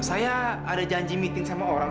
saya ada janji meeting sama orang